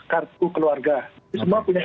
kartu keluarga semua punya